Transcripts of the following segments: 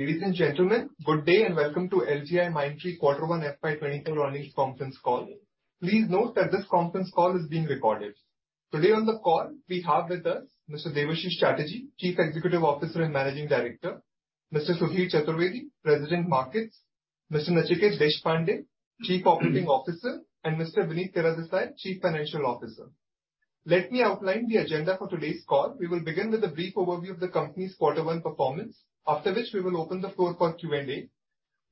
Ladies and gentlemen, good day, and welcome to LTIMindtree Q1 FY 2023 Earnings Conference Call. Please note that this conference call s being recorded. Today on the call, we have with us Mr. Debashis Chatterjee, Chief Executive Officer and Managing Director, Mr. Sudhir Chaturvedi, President Markets, Mr. Nachiket Deshpande, Chief Operating Officer, and Mr. Vinit Teredesai, Chief Financial Officer. Let me outline the agenda for today's call. We will begin with a brief overview of the company's Q1 performance, after which we will open the floor for Q&A.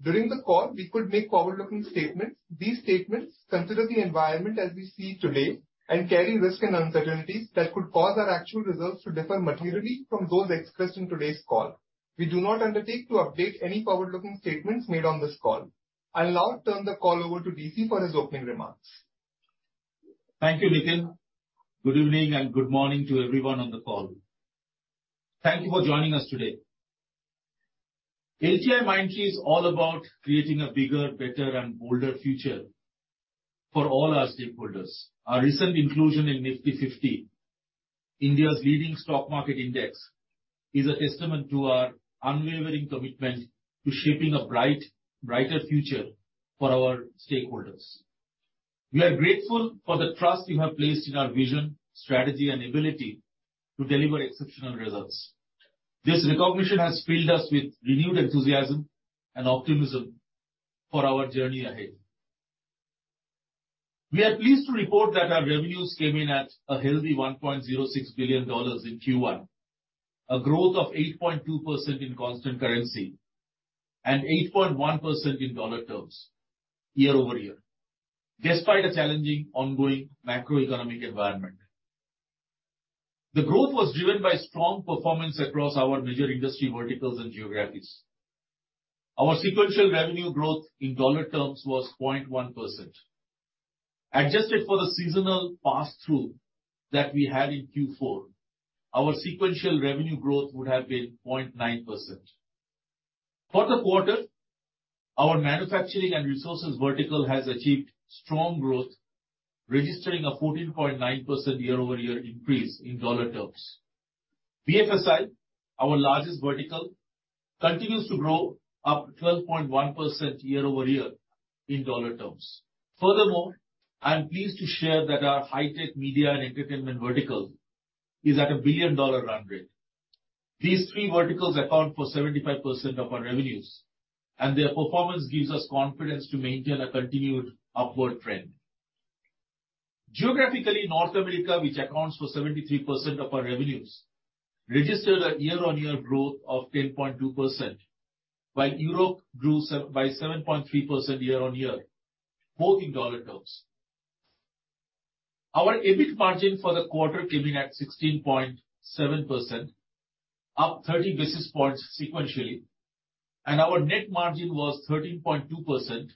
During the call, we could make forward-looking statements. These statements consider the environment as we see today and carry risks and uncertainties that could cause our actual results to differ materially from those expressed in today's call. We do not undertake to update any forward-looking statements made on this call. I'll now turn the call over to DC for his opening remarks. Thank you, Nikin. Good evening, good morning to everyone on the call. Thank you for joining us today. LTIMindtree is all about creating a bigger, better, and bolder future for all our stakeholders. Our recent inclusion in Nifty 50, India's leading stock market index, is a testament to our unwavering commitment to shaping a bright, brighter future for our stakeholders. We are grateful for the trust you have placed in our vision, strategy, and ability to deliver exceptional results. This recognition has filled us with renewed enthusiasm and optimism for our journey ahead. We are pleased to report that our revenues came in at a healthy $1.06 billion in Q1, a growth of 8.2% in constant currency and 8.1% in dollar terms year-over-year, despite a challenging ongoing macroeconomic environment. The growth was driven by strong performance across our major industry verticals and geographies. Our sequential revenue growth in dollar terms was 0.1%. Adjusted for the seasonal pass-through that we had in Q4, our sequential revenue growth would have been 0.9%. For the quarter, our manufacturing and resources vertical has achieved strong growth, registering a 14.9% year-over-year increase in dollar terms. BFSI, our largest vertical, continues to grow up 12.1% year-over-year in dollar terms. Furthermore, I'm pleased to share that our high-tech media and entertainment vertical is at a billion-dollar run rate. These three verticals account for 75% of our revenues, and their performance gives us confidence to maintain a continued upward trend. Geographically, North America, which accounts for 73% of our revenues, registered a year-on-year growth of 10.2%, while Europe grew by 7.3% year-on-year, both in dollar terms. Our EBIT margin for the quarter came in at 16.7%, up 30 basis points sequentially, and our net margin was 13.2%,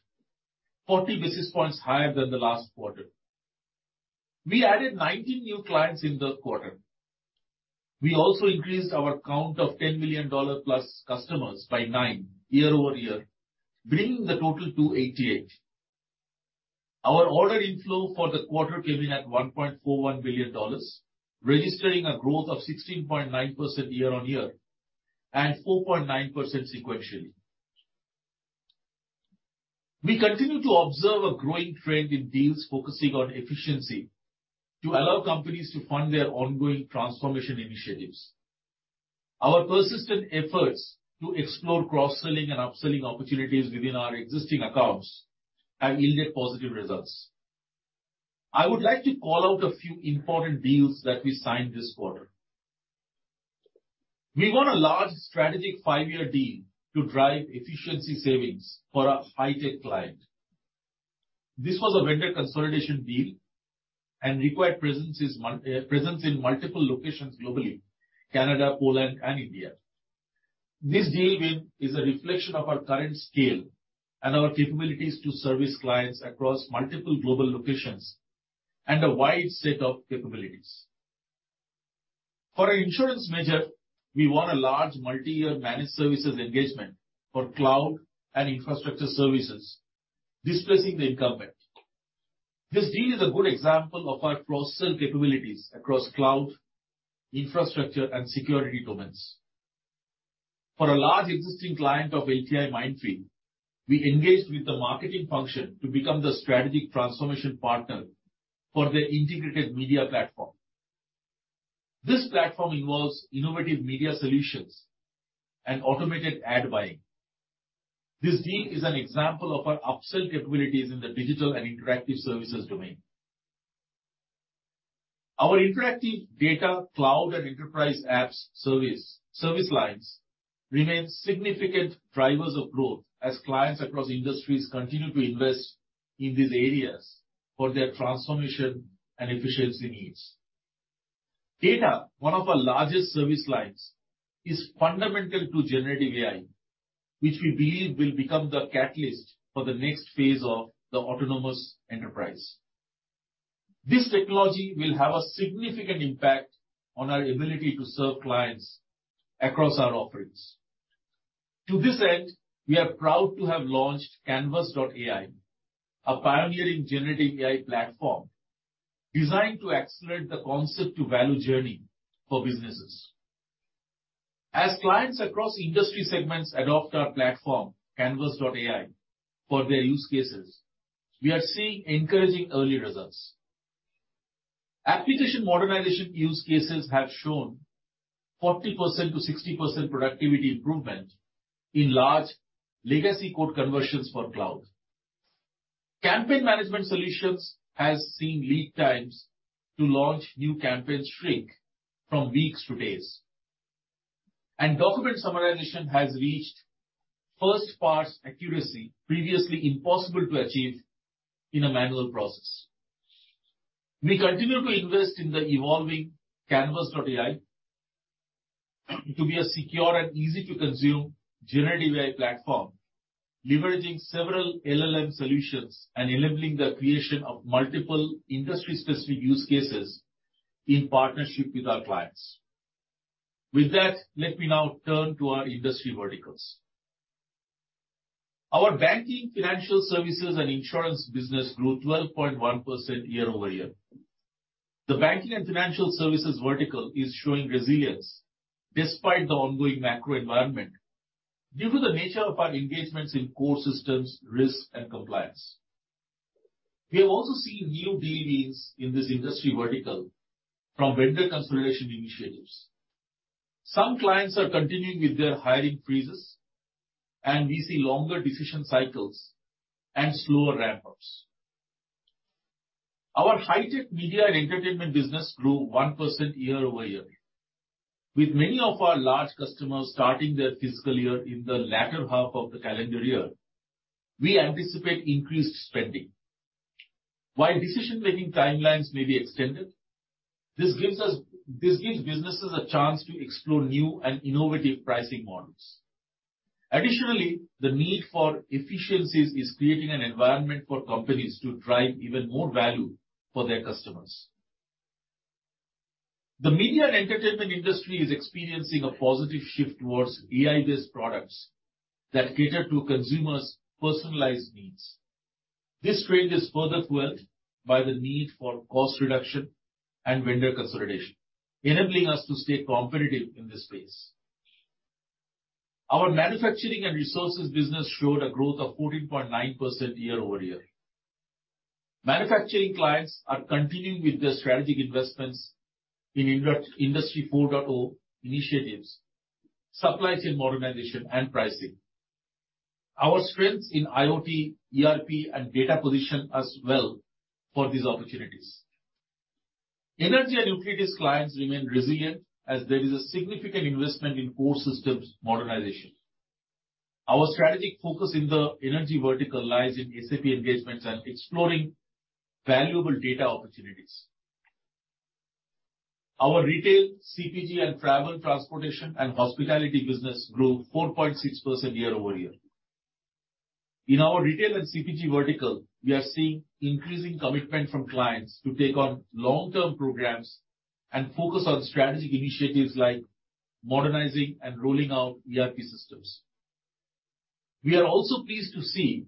40 basis points higher than the last quarter. We added 19 new clients in the quarter. We also increased our count of $10 million-plus customers by 9 year-over-year, bringing the total to 88. Our order inflow for the quarter came in at $1.41 billion, registering a growth of 16.9% year-on-year and 4.9% sequentially. We continue to observe a growing trend in deals focusing on efficiency to allow companies to fund their ongoing transformation initiatives. Our persistent efforts to explore cross-selling and upselling opportunities within our existing accounts have yielded positive results. I would like to call out a few important deals that we signed this quarter. We won a large strategic five-year deal to drive efficiency savings for a high-tech client. This was a vendor consolidation deal and required presence in multiple locations globally, Canada, Poland, and India. This deal win is a reflection of our current scale and our capabilities to service clients across multiple global locations and a wide set of capabilities. For an insurance measure, we won a large multi-year managed services engagement for cloud and infrastructure services, displacing the incumbent. This deal is a good example of our cross-sell capabilities across cloud, infrastructure, and security domains. For a large existing client of LTIMindtree, we engaged with the marketing function to become the strategic transformation partner for their integrated media platform. This platform involves innovative media solutions and automated ad buying. This deal is an example of our upsell capabilities in the digital and interactive services domain. Our interactive data, cloud, and enterprise apps service lines remain significant drivers of growth as clients across industries continue to invest in these areas for their transformation and efficiency needs. Data, one of our largest service lines, is fundamental to generative AI, which we believe will become the catalyst for the next phase of the autonomous enterprise. This technology will have a significant impact on our ability to serve clients across our offerings. To this end, we are proud to have launched Canvas.ai, a pioneering generative AI platform designed to accelerate the concept-to-value journey for businesses. As clients across industry segments adopt our platform, Canvas.ai, for their use cases, we are seeing encouraging early results. Application modernization use cases have shown 40%-60% productivity improvement in large legacy code conversions for cloud. Campaign management solutions has seen lead times to launch new campaigns shrink from weeks to days, and document summarization has reached first-pass accuracy previously impossible to achieve in a manual process. We continue to invest in the evolving Canvas.ai to be a secure and easy-to-consume generative AI platform, leveraging several LLM solutions and enabling the creation of multiple industry-specific use cases in partnership with our clients. Let me now turn to our industry verticals. Our banking, financial services, and insurance business grew 12.1% year-over-year. The banking and financial services vertical is showing resilience despite the ongoing macro environment, due to the nature of our engagements in core systems, risk, and compliance. We have also seen new deals in this industry vertical from vendor consolidation initiatives. Some clients are continuing with their hiring freezes, and we see longer decision cycles and slower ramp-ups. Our high-tech media and entertainment business grew 1% year-over-year. With many of our large customers starting their fiscal year in the latter half of the calendar year, we anticipate increased spending. While decision-making timelines may be extended, this gives businesses a chance to explore new and innovative pricing models. Additionally, the need for efficiencies is creating an environment for companies to drive even more value for their customers. The media and entertainment industry is experiencing a positive shift towards AI-based products that cater to consumers' personalized needs. This trend is further fueled by the need for cost reduction and vendor consolidation, enabling us to stay competitive in this space. Our manufacturing and resources business showed a growth of 14.9% year-over-year. Manufacturing clients are continuing with their strategic investments in Industry 4.0 initiatives, supply chain modernization, and pricing. Our strengths in IoT, ERP, and data position us well for these opportunities. Energy and utilities clients remain resilient, as there is a significant investment in core systems modernization. Our strategic focus in the energy vertical lies in SAP engagements and exploring valuable data opportunities. Our retail, CPG, and travel, transportation, and hospitality business grew 4.6% year-over-year. In our retail and CPG vertical, we are seeing increasing commitment from clients to take on long-term programs and focus on strategic initiatives like modernizing and rolling out ERP systems. We are also pleased to see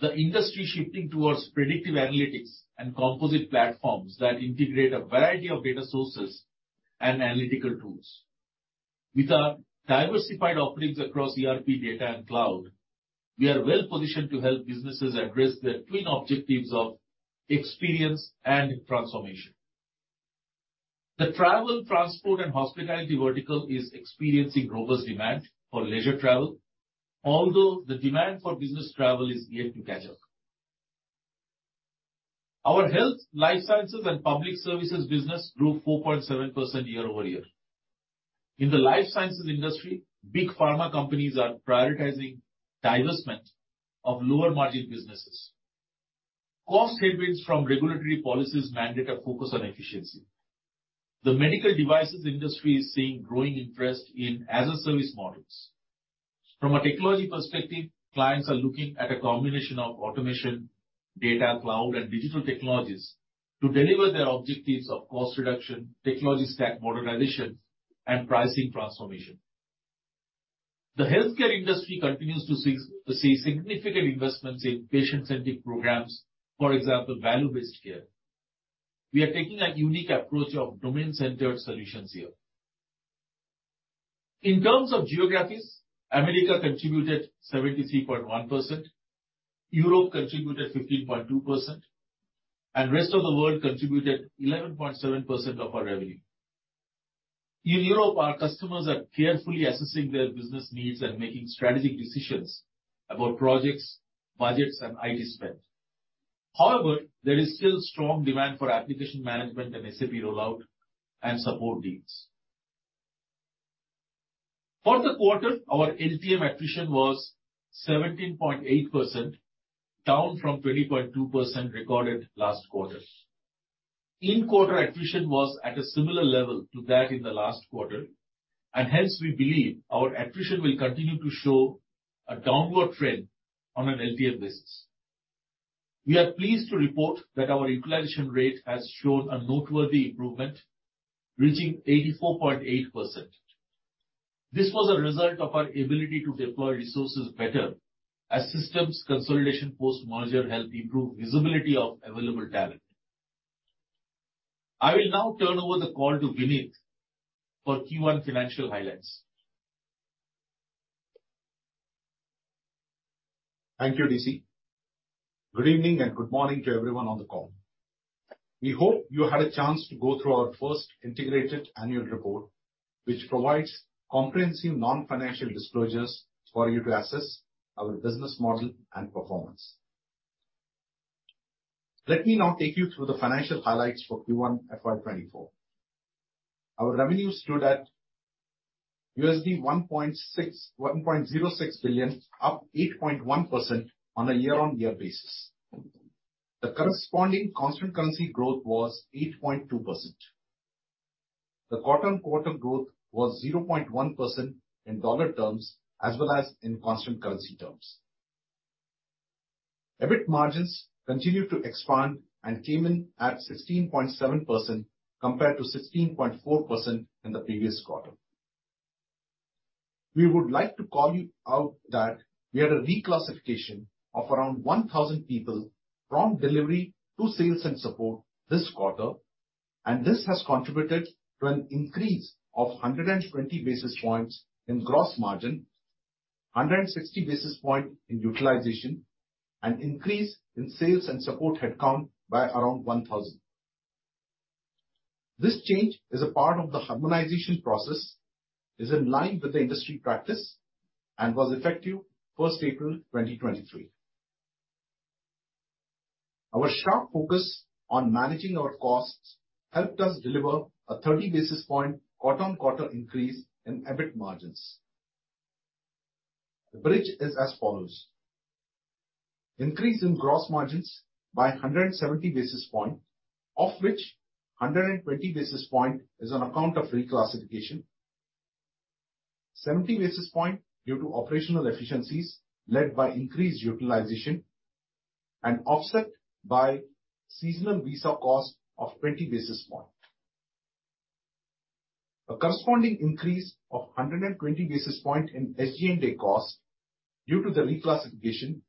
the industry shifting towards predictive analytics and composite platforms that integrate a variety of data sources and analytical tools. With our diversified offerings across ERP, data, and cloud, we are well positioned to help businesses address their twin objectives of experience and transformation. The travel, transport, and hospitality vertical is experiencing robust demand for leisure travel, although the demand for business travel is yet to catch up. Our health, life sciences, and public services business grew 4.7% year-over-year. In the life sciences industry, big pharma companies are prioritizing divestment of lower-margin businesses. Cost headwinds from regulatory policies mandate a focus on efficiency. The medical devices industry is seeing growing interest in as-a-service models. From a technology perspective, clients are looking at a combination of automation, data, cloud, and digital technologies to deliver their objectives of cost reduction, technology stack modernization, and pricing transformation. The healthcare industry continues to see significant investments in patient-centric programs, for example, value-based care. We are taking a unique approach of domain-centered solutions here. In terms of geographies, America contributed 73.1%, Europe contributed 15.2%, and rest of the world contributed 11.7% of our revenue. In Europe, our customers are carefully assessing their business needs and making strategic decisions about projects, budgets, and IT spend. However, there is still strong demand for application management and SAP rollout and support needs. For the quarter, our LTM attrition was 17.8%, down from 20.2% recorded last quarter. In-quarter attrition was at a similar level to that in the last quarter, hence, we believe our attrition will continue to show a downward trend on an LTM basis. We are pleased to report that our utilization rate has shown a noteworthy improvement, reaching 84.8%. This was a result of our ability to deploy resources better, as systems consolidation post-merger helped improve visibility of available talent. I will now turn over the call to Vinit for Q1 financial highlights. Thank you, DC. Good evening, and good morning to everyone on the call. We hope you had a chance to go through our first integrated annual report, which provides comprehensive non-financial disclosures for you to assess our business model and performance. Let me now take you through the financial highlights for Q1 FY 2024. Our revenue stood at $1.06 billion, up 8.1% on a year-on-year basis. The corresponding constant currency growth was 8.2%. The quarter-on-quarter growth was 0.1% in dollar terms, as well as in constant currency terms. EBIT margins continued to expand and came in at 16.7%, compared to 16.4% in the previous quarter. We would like to call you out that we had a reclassification of around 1,000 people from delivery to sales and support this quarter, and this has contributed to an increase of 120 basis points in gross margin, 160 basis point in utilization, and increase in sales and support headcount by around 1,000. This change is a part of the harmonization process, is in line with the industry practice, and was effective first April 2023. Our sharp focus on managing our costs helped us deliver a 30 basis point quarter-on-quarter increase in EBIT margins. The bridge is as follows: increase in gross margins by 170 basis point, of which 120 basis point is on account of reclassification. 70 basis point due to operational efficiencies led by increased utilization and offset by seasonal visa cost of 20 basis point. A corresponding increase of 120 basis points in SG&A cost due to the reclassification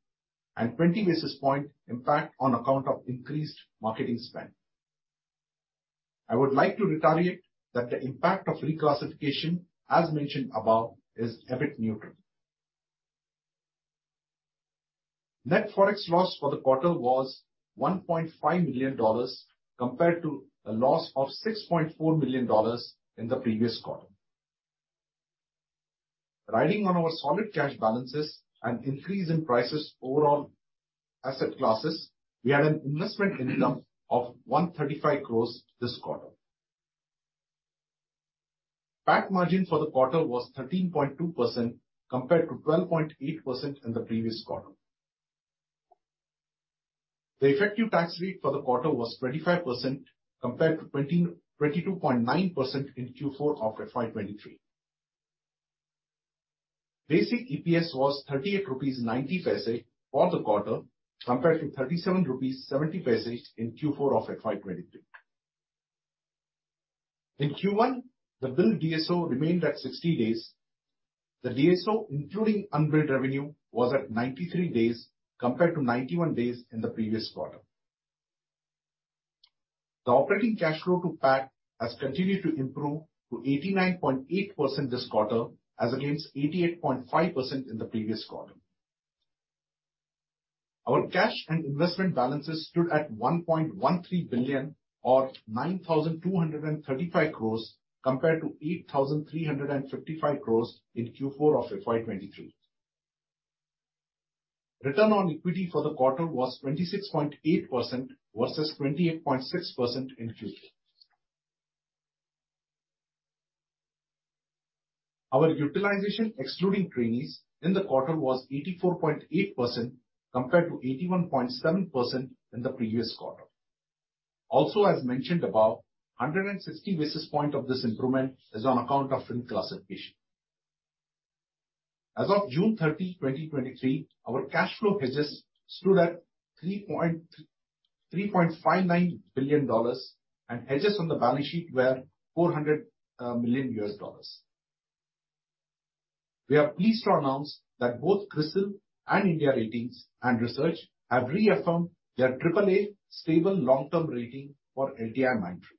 and 20 basis points impact on account of increased marketing spend. I would like to reiterate that the impact of reclassification, as mentioned above, is EBIT neutral. Net Forex loss for the quarter was $1.5 million, compared to a loss of $6.4 million in the previous quarter. Riding on our solid cash balances and increase in prices over all asset classes, we had an investment income of 135 crores this quarter. PAT margin for the quarter was 13.2%, compared to 12.8% in the previous quarter. The effective tax rate for the quarter was 25%, compared to 22.9% in Q4 of FY 2023. Basic EPS was 38.90 rupees for the quarter, compared to 37.70 rupees in Q4 of FY 2022. In Q1, the bill DSO remained at 60 days. The DSO, including unbilled revenue, was at 93 days, compared to 91 days in the previous quarter. The operating cash flow to PAT has continued to improve to 89.8% this quarter, as against 88.5% in the previous quarter. Our cash and investment balances stood at 1.13 billion or 9,235 crores, compared to 8,355 crores in Q4 of FY 2023. Return on equity for the quarter was 26.8% versus 28.6% in Q4. Our utilization, excluding trainees in the quarter, was 84.8%, compared to 81.7% in the previous quarter. As mentioned above, 160 basis points of this improvement is on account of reclassification. As of June 30, 2023, our cash flow hedges stood at $3.59 billion, and hedges on the balance sheet were $400 million. We are pleased to announce that both CRISIL and India Ratings and Research have reaffirmed their AAA stable long-term rating for LTIMindtree.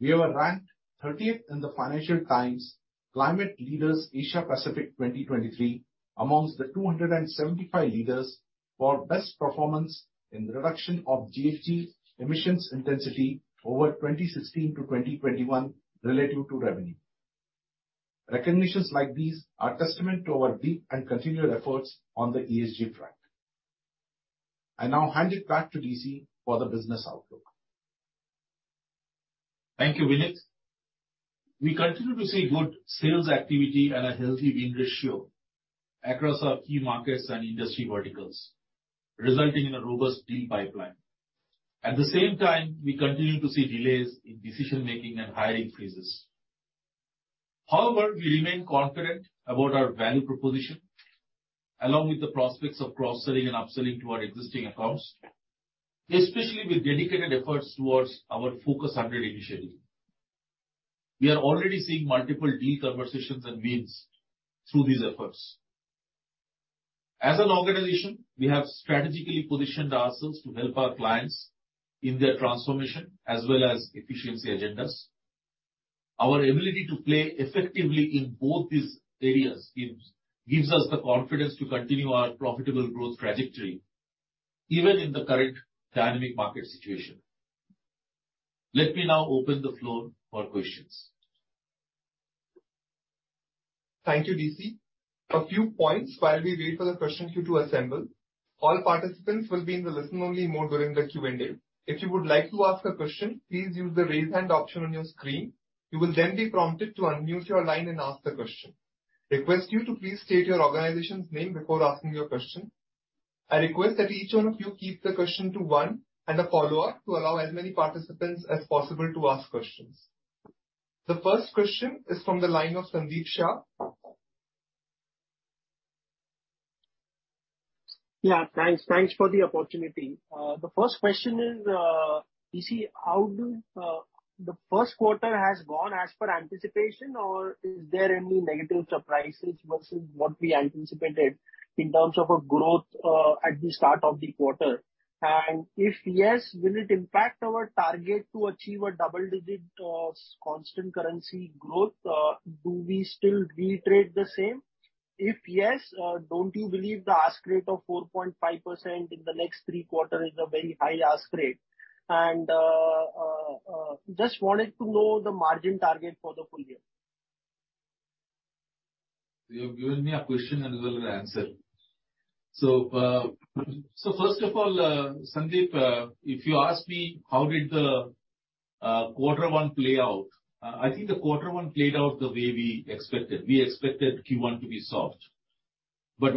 We were ranked 30th in the Financial Times Climate Leaders Asia Pacific 2023 amongst the 275 leaders for best performance in the reduction of GHG emissions intensity over 2016-2021, relative to revenue. Recognitions like these are testament to our deep and continued efforts on the ESG front. I now hand it back to DC for the business outlook. Thank you, Vinit. We continue to see good sales activity and a healthy win ratio across our key markets and industry verticals, resulting in a robust deal pipeline. We continue to see delays in decision-making and hiring freezes. We remain confident about our value proposition along with the prospects of cross-selling and upselling to our existing accounts, especially with dedicated efforts towards our Focus 100 initiative. We are already seeing multiple deal conversations and wins through these efforts. As an organization, we have strategically positioned ourselves to help our clients in their transformation as well as efficiency agendas. Our ability to play effectively in both these areas gives us the confidence to continue our profitable growth trajectory, even in the current dynamic market situation. Let me now open the floor for questions. Thank you, DC. A few points while we wait for the question queue to assemble. All participants will be in the listen-only mode during the Q&A. If you would like to ask a question, please use the Raise Hand option on your screen. You will then be prompted to unmute your line and ask the question. Request you to please state your organization's name before asking your question. I request that each one of you keep the question to one and a follow-up, to allow as many participants as possible to ask questions. The first question is from the line of Sandeep Shah. Yeah, thanks. Thanks for the opportunity. The first question is, DC, how do... The first quarter has gone as per anticipation, or is there any negative surprises versus what we anticipated in terms of a growth at the start of the quarter? If yes, will it impact our target to achieve a double digit constant currency growth? Do we still reiterate the same? If yes, don't you believe the ask rate of 4.5% in the next Q3 is a very high ask rate? Just wanted to know the margin target for the full year. You've given me a question and as well an answer. First of all, Sandeep, if you ask me how did the Q1 play out, I think the Q1 played out the way we expected. We expected Q1 to be soft. What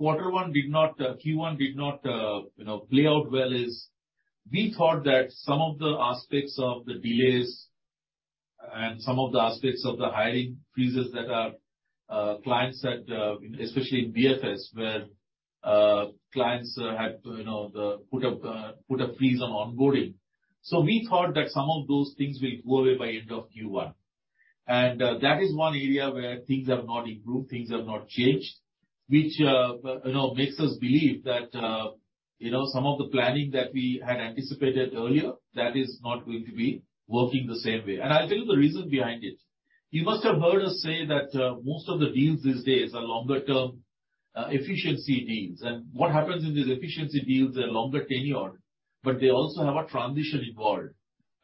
Q1 did not, Q1 did not, you know, play out well is, we thought that some of the aspects of the delays and some of the aspects of the hiring freezes that our clients had, especially in BFS, where clients had, you know, put a freeze on onboarding. We thought that some of those things will go away by end of Q1. That is one area where things have not improved, things have not changed, which, you know, makes us believe that, you know, some of the planning that we had anticipated earlier, that is not going to be working the same way. I'll tell you the reason behind it. You must have heard us say that, most of the deals these days are longer-term, efficiency deals. What happens in these efficiency deals, they are longer tenure, but they also have a transition involved,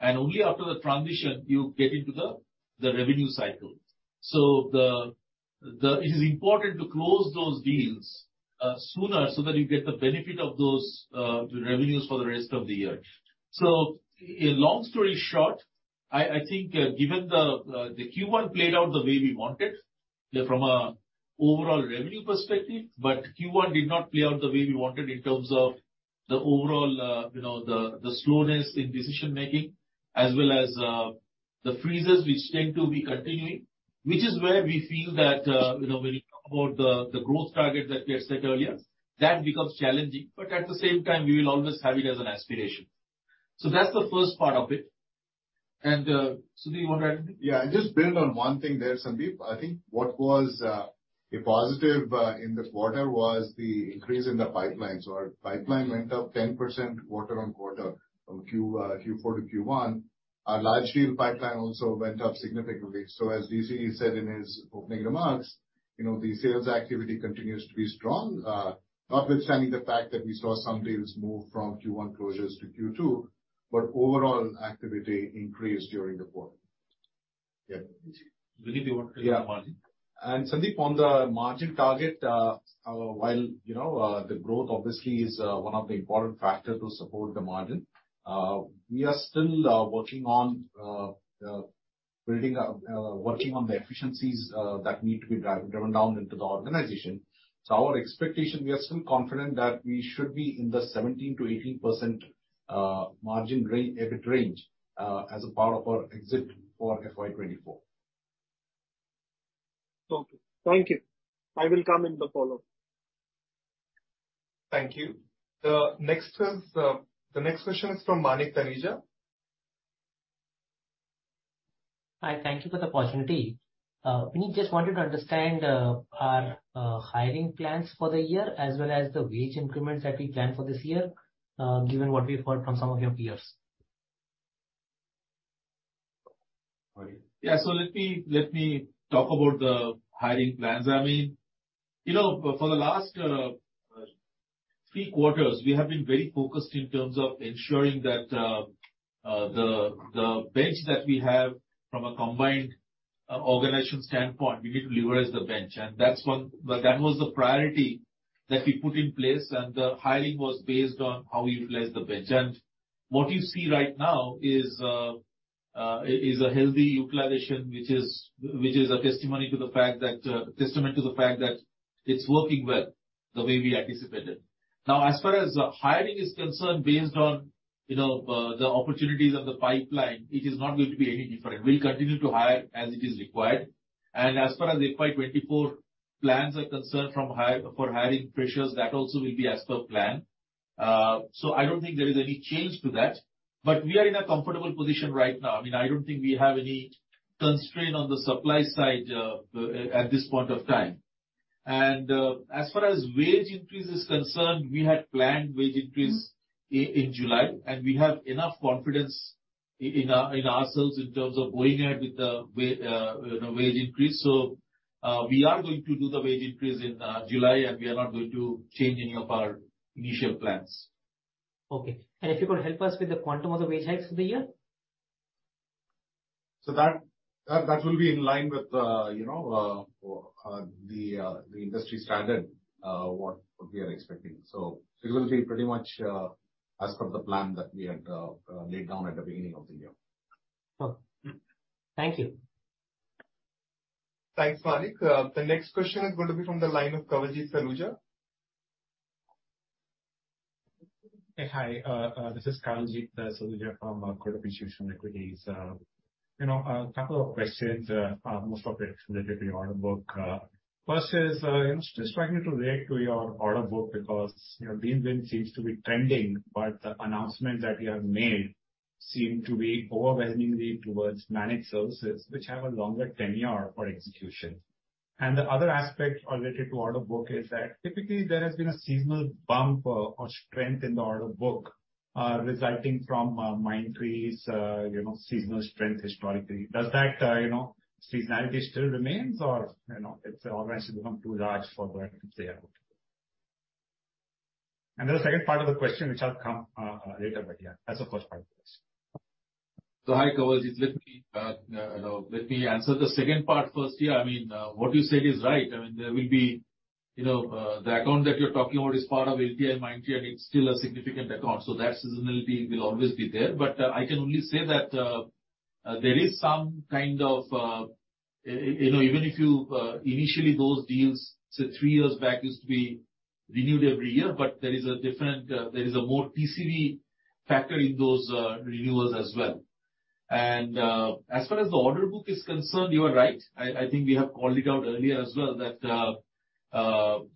and only after the transition you get into the revenue cycle. It is important to close those deals sooner, so that you get the benefit of those revenues for the rest of the year. long story short, I think, given the Q1 played out the way we wanted from an overall revenue perspective, but Q1 did not play out the way we wanted in terms of the overall, you know, slowness in decision-making, as well as the freezes which tend to be continuing, which is where we feel that, you know, when you talk about the growth target that we had set earlier, that becomes challenging. At the same time, we will always have it as an aspiration. That's the first part of it. Sudhir, you want to add anything? Yeah, I'll just build on one thing there, Sandeep. I think what was a positive in the quarter was the increase in the pipeline. Our pipeline went up 10% quarter-on-quarter from Q4 to Q1. Our large deal pipeline also went up significantly. As DC said in his opening remarks, you know, the sales activity continues to be strong, notwithstanding the fact that we saw some deals move from Q1 closures to Q2, overall activity increased during the quarter. Yeah. Vinit, do you want to tell him about margin? Yeah. Sandeep, on the margin target, while, you know, the growth obviously is one of the important factors to support the margin, we are still working on building up, working on the efficiencies that need to be driven down into the organization. Our expectation, we are still confident that we should be in the 17%-18% margin range, EBIT range, as a part of our exit for FY 2024. Okay. Thank you. I will come in the follow-up. Thank you. The next question is from Manik Taneja. Hi, thank you for the opportunity. We just wanted to understand our hiring plans for the year, as well as the wage increments that we plan for this year, given what we've heard from some of your peers. Yeah. Let me talk about the hiring plans. I mean, you know, for the last three quarters, we have been very focused in terms of ensuring that the bench that we have from a combined organization standpoint, we need to leverage the bench. That was the priority that we put in place, and the hiring was based on how we utilize the bench. What you see right now is a healthy utilization, which is a testimony to the fact that testament to the fact that it's working well, the way we anticipated. As far as hiring is concerned, based on you know, the opportunities of the pipeline, it is not going to be any different. We'll continue to hire as it is required. As far as the FY 2024 plans are concerned for hiring pressures, that also will be as per plan. I don't think there is any change to that, but we are in a comfortable position right now. I mean, I don't think we have any constraint on the supply side at this point of time. As far as wage increase is concerned, we had planned wage increase in July, and we have enough confidence in our, in ourselves in terms of going ahead with the you know, wage increase. We are going to do the wage increase in July, and we are not going to change any of our initial plans. Okay. If you could help us with the quantum of the wage hikes for the year? That will be in line with, you know, the industry standard, what we are expecting. It will be pretty much as per the plan that we had laid down at the beginning of the year. Oh. Thank you. Thanks, Manik. The next question is going to be from the line of Kawaljeet Saluja. Hey, hi, this is Kawaljeet Saluja from Kotak Institutional Equities. You know, a couple of questions, most of it related to your order book. First is, you know, just wanting you to react to your order book because, you know, deal win seems to be trending, but the announcement that you have made seem to be overwhelmingly towards managed services, which have a longer tenure for execution. The other aspect related to order book is that typically there has been a seasonal bump or strength in the order book, resulting from Mindtree's, you know, seasonal strength historically. Does that, you know, seasonality still remains or, you know, it's already become too large for that to play out? The second part of the question, which I'll come later, but, yeah, that's the first part of the question. Hi, Kawaljeet. Let me let me answer the second part first here. I mean, what you said is right. I mean, there will be, you know, the account that you're talking about is part of LTI and Mindtree, and it's still a significant account, so that seasonality will always be there. I can only say that there is some kind of... You know, even if you initially those deals, say, three years back, used to be renewed every year, but there is a different, there is a more TCV factor in those renewals as well. As far as the order book is concerned, you are right. I think we have called it out earlier as well, that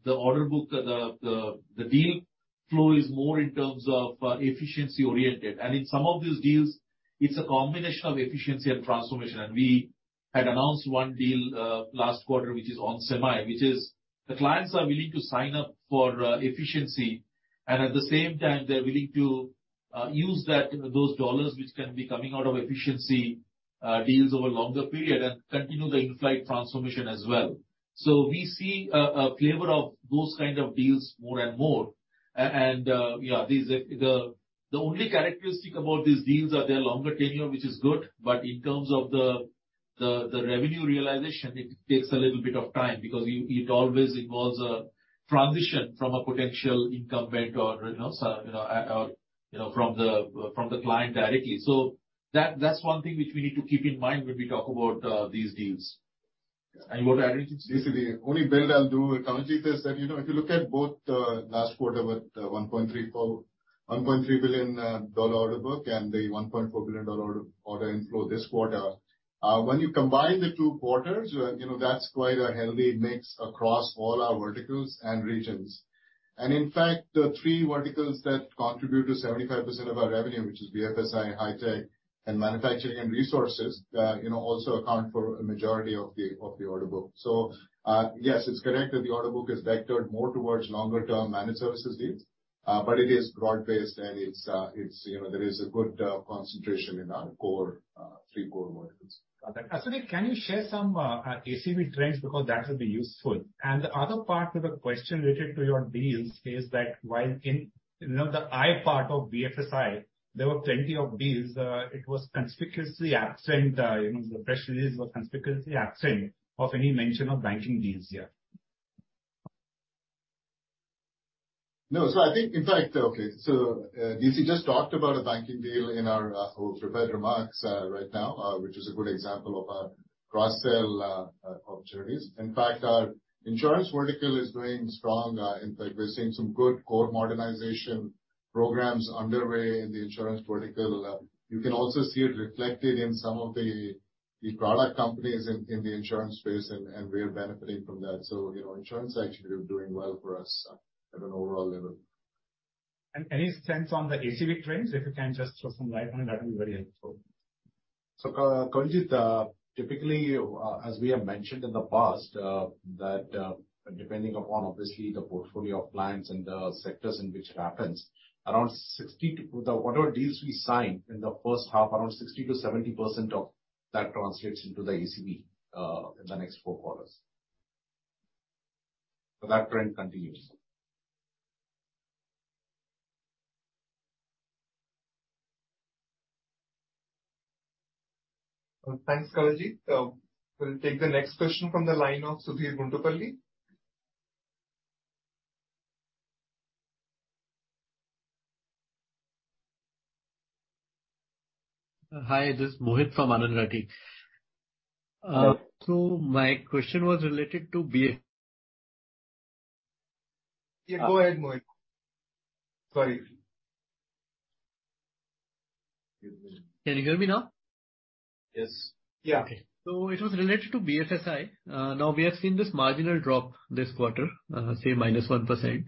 the order book, the deal flow is more in terms of efficiency-oriented. In some of these deals, it's a combination of efficiency and transformation. We had announced one deal last quarter, which is on onsemi, which is the clients are willing to sign up for efficiency, and at the same time, they're willing to use that, those dollars which can be coming out of efficiency deals over a longer period and continue the in-flight transformation as well. We see a flavor of those kind of deals more and more. These are the only characteristic about these deals are they're longer tenure, which is good, but in terms of the revenue realization, it takes a little bit of time because it always involves a transition from a potential incumbent or, you know, so, you know, from the client directly. That, that's one thing which we need to keep in mind when we talk about these deals. Any more to add, DC? Basically, the only build I'll do, Kawaljeet, is that, you know, if you look at both, last quarter with a $1.3 billion dollar order book and the $1.4 billion dollar order inflow this quarter. When you combine the two quarters, you know, that's quite a healthy mix across all our verticals and regions. In fact, the three verticals that contribute to 75% of our revenue, which is BFSI, high tech, and manufacturing and resources, you know, also account for a majority of the order book. Yes, it's correct that the order book is vectored more towards longer-term managed services deals, but it is broad-based, and it's, you know, there is a good concentration in our core, three core verticals. Got that. Actually, can you share some ACV trends, because that would be useful? The other part of the question related to your deals is that while in, you know, the I part of BFSI, there were plenty of deals, it was conspicuously absent, you know, of any mention of banking deals here. No. DC just talked about a banking deal in our prepared remarks right now, which is a good example of our cross-sell opportunities. In fact, our insurance vertical is doing strong. In fact, we're seeing some good core modernization programs underway in the insurance vertical. You can also see it reflected in some of the product companies in the insurance space, and we are benefiting from that. You know, insurance is actually doing well for us at an overall level. Any sense on the ACV trends? If you can just throw some light on it, that would be very helpful. Kawaljeet, typically, as we have mentioned in the past, that, depending upon obviously the portfolio of clients and the sectors in which it happens, Whatever deals we sign in the first half, around 60%-70% of that translates into the ACV, in the next four quarters. That trend continues. Thanks, Kawaljeet. We'll take the next question from the line of Sudheer Guntupalli. Hi, this is Mohit from Anand Rathi. My question was related to. Yeah, go ahead, Mohit. Sorry. Can you hear me now? Yes. Yeah. Okay. It was related to BFSI. Now we have seen this marginal drop this quarter, say minus 1%.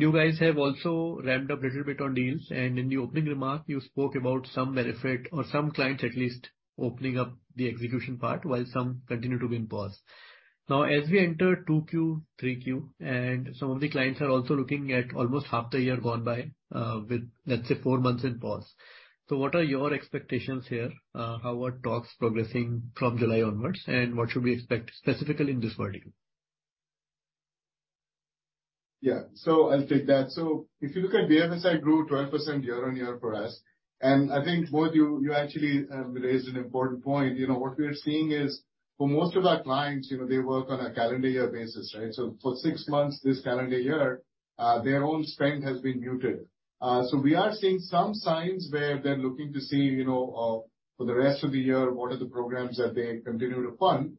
You guys have also ramped up a little bit on deals, and in the opening remark, you spoke about some benefit or some clients at least opening up the execution part, while some continue to be in pause. As we enter Q2, Q3, and some of the clients are also looking at almost half the year gone by, with, let's say, four months in pause. What are your expectations here? How are talks progressing from July onwards, and what should we expect specifically in this vertical? Yeah. I'll take that. If you look at BFSI grew 12% year-on-year for us, and I think, Mohit, you actually raised an important point. You know, what we are seeing is, for most of our clients, you know, they work on a calendar year basis, right? For six months, this calendar year, their own spend has been muted. We are seeing some signs where they're looking to see, you know, for the rest of the year, what are the programs that they continue to fund.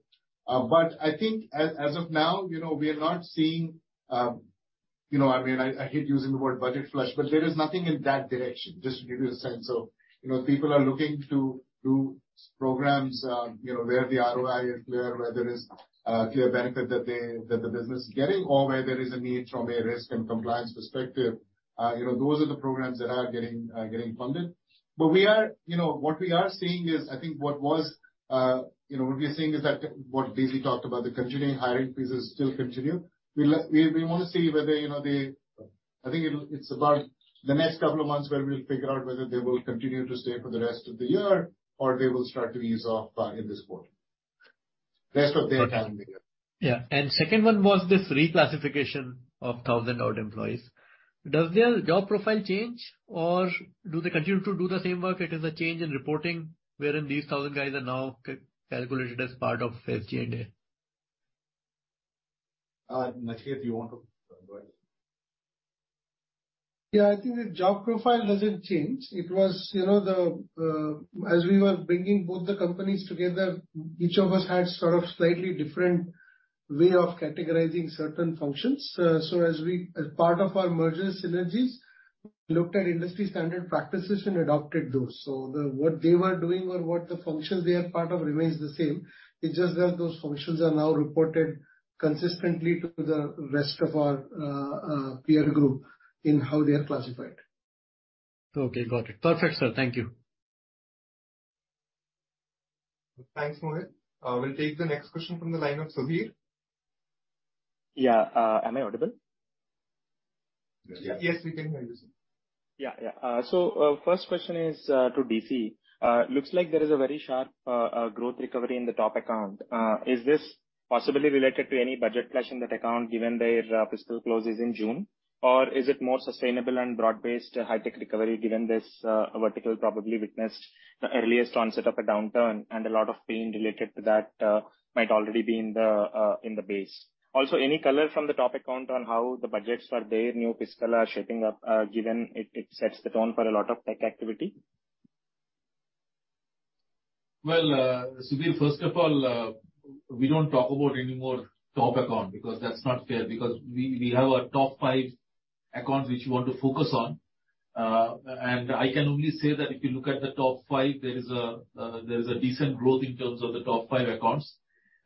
I think as of now, you know, we are not seeing, I mean, I hate using the word budget flush, but there is nothing in that direction, just to give you a sense of. You know, people are looking to do programs, you know, where the ROI is clear, where there is clear benefit that the business is getting, or where there is a need from a risk and compliance perspective. You know, those are the programs that are getting funded. You know, what we are seeing is, I think what was, you know, what we are seeing is that what DC talked about, the continuing hiring freezes still continue. We'll, we want to see whether, you know, I think it's about the next couple of months where we'll figure out whether they will continue to stay for the rest of the year or they will start to ease off in this quarter. Rest of their calendar year. Yeah. Second one was this reclassification of 1,000 odd employees. Does their job profile change, or do they continue to do the same work? It is a change in reporting, wherein these 1,000 guys are now calculated as part of G&A. Nachiket, you want to go ahead? Yeah, I think the job profile doesn't change. It was, you know, the, as we were bringing both the companies together, each of us had sort of slightly different way of categorizing certain functions. As we, as part of our merger synergies, looked at industry standard practices and adopted those. The, what they were doing or what the functions they are part of remains the same, it's just that those functions are now reported consistently to the rest of our peer group in how they are classified. Okay, got it. Perfect, sir. Thank you. Thanks, Mohit. We'll take the next question from the line of Sudheer. Yeah. Am I audible? Yes, we can hear you, sir. Yeah, yeah. First question is to DC. Looks like there is a very sharp growth recovery in the top account. Is this possibly related to any budget flush in that account, given their fiscal closes in June? Is it more sustainable and broad-based high-tech recovery, given this vertical probably witnessed the earliest onset of a downturn, and a lot of pain related to that might already be in the base. Any color from the top account on how the budgets for their new fiscal are shaping up, given it sets the tone for a lot of tech activity? Sudheer, first of all, we don't talk about any more top account, because that's not fair, because we have a top 5 account which we want to focus on. I can only say that if you look at the top five, there is a decent growth in terms of the top five accounts.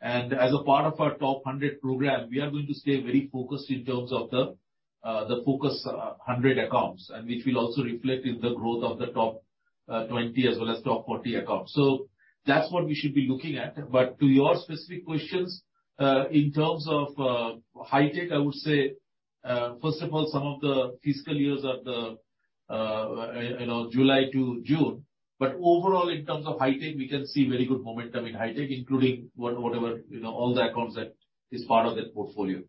As a part of our top 100 program, we are going to stay very focused in terms of the Focus 100 accounts, and which will also reflect in the growth of the top 20 as well as top 40 accounts. That's what we should be looking at. To your specific questions, in terms of high tech, I would say, first of all, some of the fiscal years are the, you know, July to June. Overall, in terms of high tech, we can see very good momentum in high tech, including whatever, you know, all the accounts that is part of that portfolio.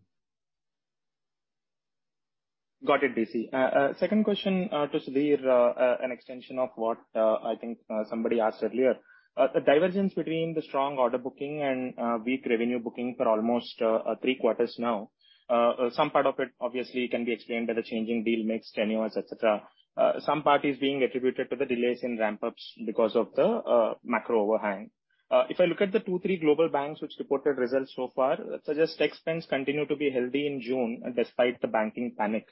Got it, DC. Second question to Sudhir, an extension of what I think somebody asked earlier. A divergence between the strong order booking and weak revenue booking for almost three quarters now. Some part of it obviously can be explained by the changing deal mix, tenures, et cetera. Some part is being attributed to the delays in ramp-ups because of the macro overhang. If I look at the two, three global banks which reported results so far, suggest tech spends continue to be healthy in June despite the banking panic.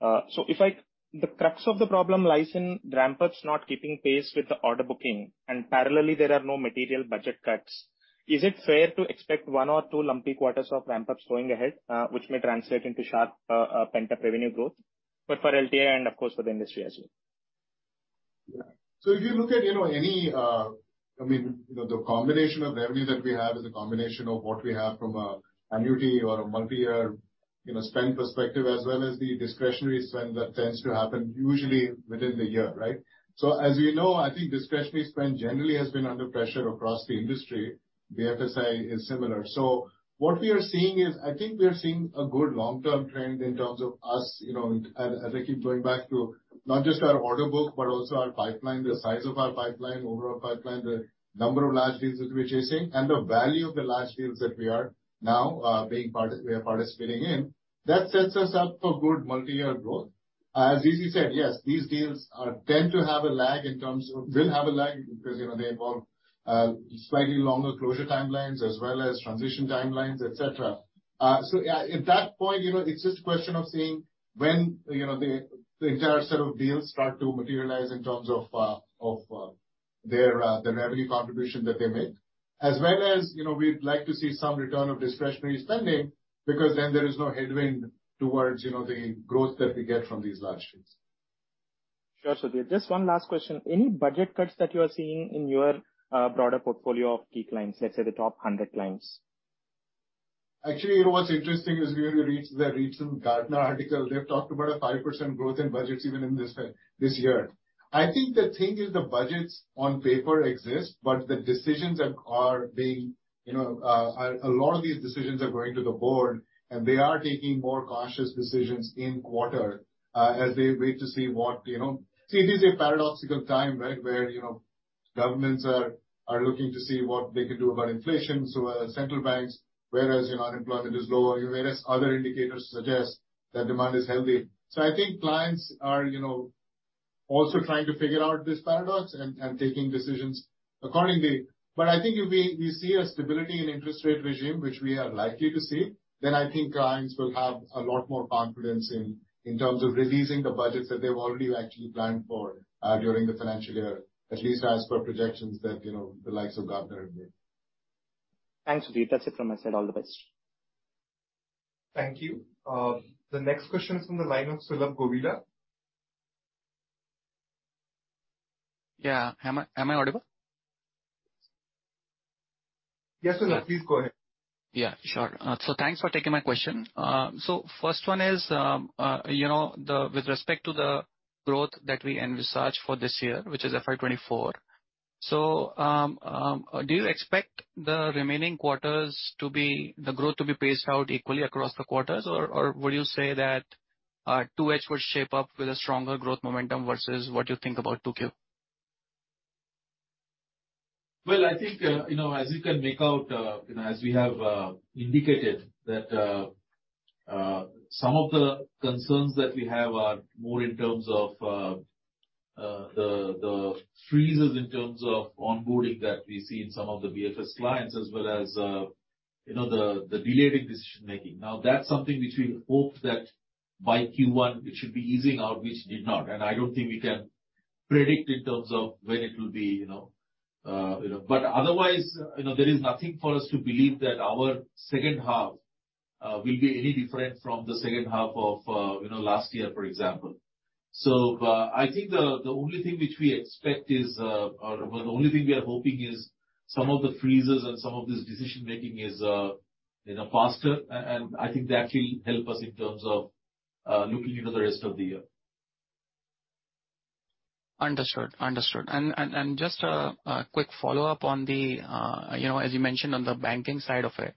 If I the crux of the problem lies in ramp-ups not keeping pace with the order booking, and parallelly there are no material budget cuts, is it fair to expect one or two lumpy quarters of ramp-ups going ahead, which may translate into sharp pent-up revenue growth, but for LTI and of course for the industry as well? Yeah. If you look at, you know, any, I mean, you know, the combination of revenue that we have is a combination of what we have from a annuity or a multiyear, you know, spend perspective, as well as the discretionary spend that tends to happen usually within the year, right? As we know, I think discretionary spend generally has been under pressure across the industry. BFSI is similar. What we are seeing is, I think we are seeing a good long-term trend in terms of us, you know, as I keep going back to not just our order book, but also our pipeline, the size of our pipeline, overall pipeline, the number of large deals that we're chasing, and the value of the large deals that we are now, we are part of spinning in. That sets us up for good multi-year growth. as DC said, yes, these deals will have a lag because, you know, they involve slightly longer closure timelines as well as transition timelines, et cetera. At that point, you know, it's just a question of seeing when, you know, the entire set of deals start to materialize in terms of, their, the revenue contribution that they make. You know, we'd like to see some return of discretionary spending, because then there is no headwind towards, you know, the growth that we get from these large deals. Sure, Sudhir. Just one last question. Any budget cuts that you are seeing in your broader portfolio of key clients, let's say the top 100 clients? Actually, you know, what's interesting is we read the recent Gartner article. They've talked about a 5% growth in budgets even in this this year. I think the thing is the budgets on paper exist. The decisions are being, you know, a lot of these decisions are going to the board. They are taking more cautious decisions in quarter as they wait to see what, you know... See, it is a paradoxical time, right? Where, you know, governments are looking to see what they can do about inflation, so are central banks, whereas, you know, unemployment is low and various other indicators suggest that demand is healthy. I think clients are, you know, also trying to figure out this paradox and taking decisions accordingly. I think if we see a stability in interest rate regime, which we are likely to see, then I think clients will have a lot more confidence in terms of releasing the budgets that they've already actually planned for, during the financial year, at least as per projections that, you know, the likes of Gartner have made. Thanks, Sudhir. That's it from my side. All the best. Thank you. The next question is from the line of Sulabh Govila. Yeah. Am I audible? Yes, Sulabh, please go ahead. Yeah, sure. Thanks for taking my question. First one is, you know, with respect to the growth that we envisaged for this year, which is FY 2024, do you expect the remaining quarters to be paced out equally across the quarters? Or would you say that 2H would shape up with a stronger growth momentum versus what you think about Q2? Well, I think, you know, as you can make out, you know, as we have, indicated, that some of the concerns that we have are more in terms of, the freezes in terms of onboarding that we see in some of the BFS clients, as well as, you know, the delayed decision-making. That's something which we hoped that by Q1, it should be easing out, which did not. I don't think we can predict in terms of when it will be, you know. Otherwise, you know, there is nothing for us to believe that our H2, will be any different from the H2 of, you know, last year, for example.I think the only thing which we expect is, or well, the only thing we are hoping is some of the freezes and some of this decision-making is, you know, faster. And I think that will help us in terms of, looking into the rest of the year. Understood. Understood. Just a quick follow-up on the, you know, as you mentioned on the banking side of it.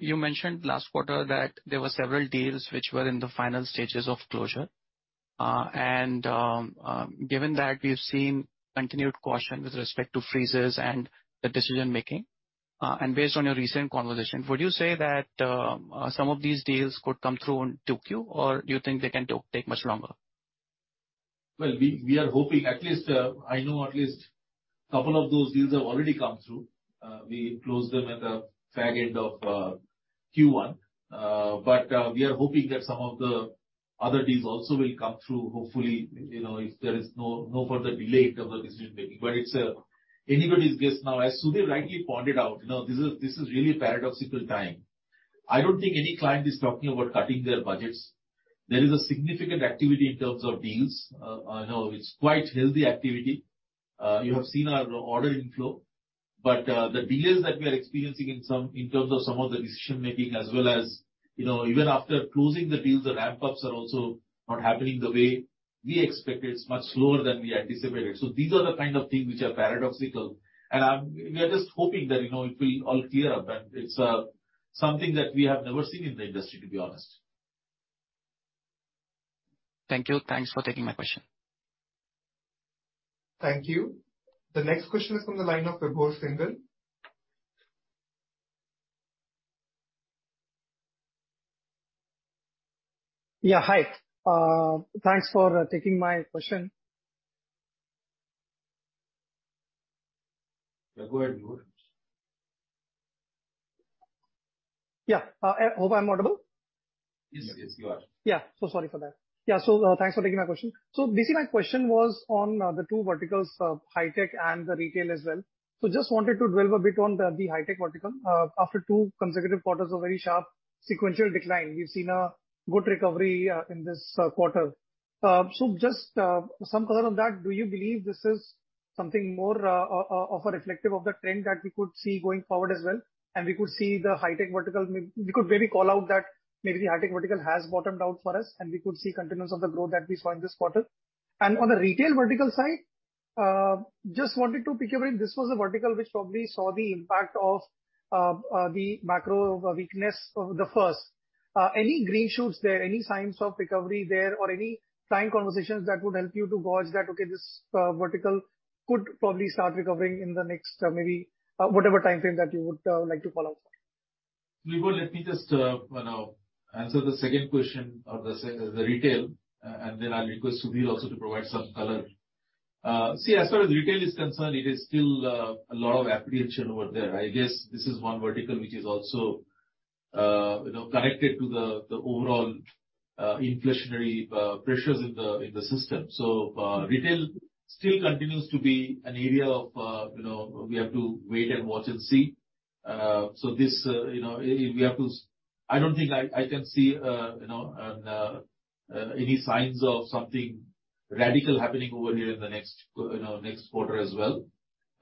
You mentioned last quarter that there were several deals which were in the final stages of closure. Given that we've seen continued caution with respect to freezes and the decision making, and based on your recent conversation, would you say that some of these deals could come through in Q2, or do you think they can take much longer? We are hoping at least, I know at least a couple of those deals have already come through. We closed them at the far end of Q1. We are hoping that some of the other deals also will come through hopefully, you know, if there is no further delay in terms of decision-making. It's anybody's guess now. As Sudhir rightly pointed out, you know, this is really a paradoxical time. I don't think any client is talking about cutting their budgets. There is a significant activity in terms of deals, you know, it's quite healthy activity. You have seen our order inflow, but the delays that we are experiencing in terms of some of the decision making as well as, you know, even after closing the deals, the ramp-ups are also not happening the way we expected. It's much slower than we anticipated. These are the kind of things which are paradoxical, and we are just hoping that, you know, it will all clear up. It's something that we have never seen in the industry, to be honest. Thank you. Thanks for taking my question. Thank you. The next question is from the line of Vibhor Singhal. Yeah, hi. Thanks for taking my question. Yeah, go ahead, Vibhor. Yeah. hope I'm audible? Yes, yes, you are. Yeah. Sorry for that. Yeah, thanks for taking my question. Basically, my question was on the two verticals, high tech and the retail as well. Just wanted to dwell a bit on the high tech vertical. After two consecutive quarters of very sharp sequential decline, we've seen a good recovery in this quarter. Just some color on that, do you believe this is something more of a reflective of the trend that we could see going forward as well, and we could see the high tech vertical we could maybe call out that maybe the high tech vertical has bottomed out for us, and we could see continuous of the growth that we saw in this quarter? On the retail vertical side, just wanted to peek a bit, this was a vertical which probably saw the impact of the macro weakness of the first. Any green shoots there, any signs of recovery there, or any client conversations that would help you to gauge that, okay, this vertical could probably start recovering in the next, maybe, whatever time frame that you would like to call out for? Vibhor, let me just, you know, answer the second question of the retail, and then I'll request Sudhir also to provide some color. See, as far as retail is concerned, it is still a lot of apprehension over there. I guess this is one vertical which is also, you know, connected to the overall inflationary pressures in the system. Retail still continues to be an area of, you know, we have to wait and watch and see. This, you know. I don't think I can see, you know, any signs of something radical happening over here in the next, you know, next quarter as well.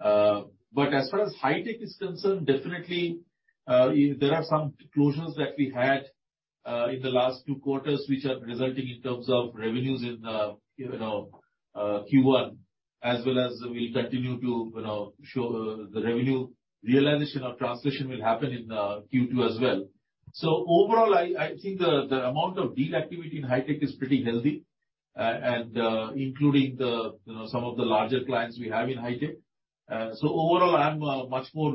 As far as high tech is concerned, definitely, there are some closures that we had in the last 2 quarters, which are resulting in terms of revenues in, you know, Q1, as well as we'll continue to, you know, show the revenue realization or transition will happen in Q2 as well. Overall, I think the amount of deal activity in high tech is pretty healthy, and including the, you know, some of the larger clients we have in high tech. Overall, I'm much more,